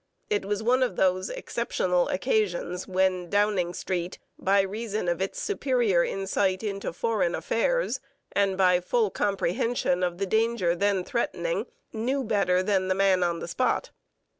It was one of those exceptional occasions when Downing Street, by reason of its superior insight into foreign affairs and by full comprehension of the danger then threatening, knew better than the man on the spot.